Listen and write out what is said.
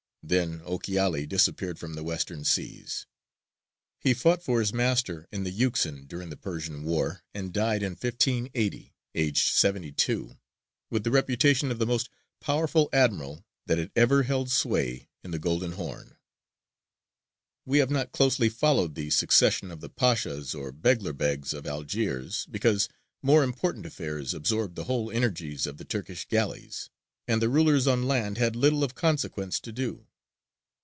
Then Ochiali disappeared from the western seas; he fought for his master in the Euxine during the Persian War, and died in 1580, aged seventy two, with the reputation of the most powerful admiral that had ever held sway in the Golden Horn. [Illustration: TUNIS IN 1573. (From a Map in the British Museum.)] We have not closely followed the succession of the Pashas or Beglerbegs of Algiers, because more important affairs absorbed the whole energies of the Turkish galleys, and the rulers on land had little of consequence to do.